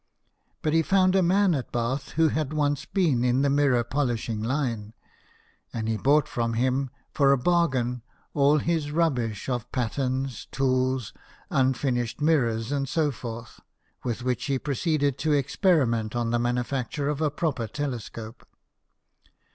But he found a man at Bath who had once been in the mirror polishing line ; and he bought from him for a bargain all his rubbish of patterns, tools, unfinished mirrors and so forth, with which he proceeded to ex periment on the manufacture of a proper tele scope.